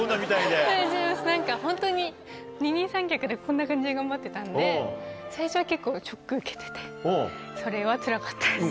大丈夫です何かホントに二人三脚でこんな感じで頑張ってたんで最初は結構ショック受けててそれはつらかったです。